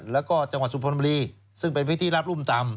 แล้วก็จังหวัดสุพรมรีซึ่งเป็นพื้นที่ราบรุ่มต่ำ